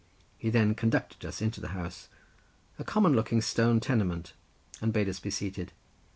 He then conducted us into the house, a common looking stone tenement, and bade us be seated.